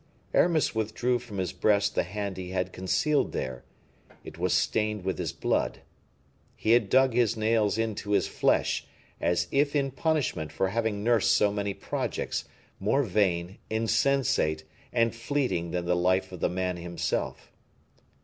Aramis withdrew from his breast the hand he had concealed there; it was stained with his blood. He had dug his nails into his flesh, as if in punishment for having nursed so many projects, more vain, insensate, and fleeting than the life of the man himself.